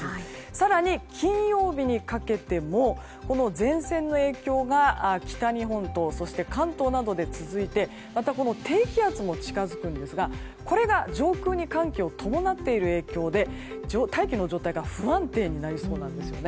更に、金曜日にかけても前線の影響が北日本と関東などで続いてまた、低気圧も近づくんですがこれが上空に寒気を伴っている影響で大気の状態が不安定になりそうなんですよね。